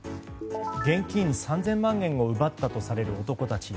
現金３０００万円を奪ったとされる男たち。